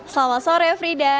selamat sore frida